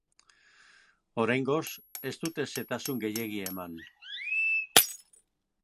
Oraingoz, ez dute xehetasun gehiegi eman.